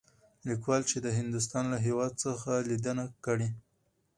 ليکوال چې د هندوستان له هـيواد څخه ليدنه کړى.